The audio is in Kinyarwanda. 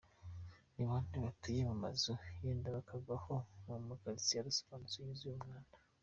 – Ni bande batuye mu mazu yenda kubagwaho, mu maquartiers adasobanutse yuzuye umwanda…?